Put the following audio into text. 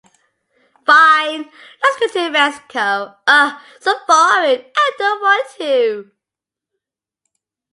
Fine, let's go to Mexico. Ugh, so boring, I don't want to.